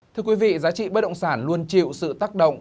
thưa quý vị giá trị bất động sản luôn chịu sự tác động